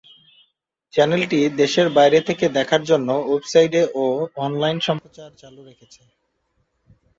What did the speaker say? চ্যানেলটি দেশের বাইরে থেকে দেখার জন্য ওয়েবসাইটে ও অনলাইন সম্প্রচার চালু রেখেছে।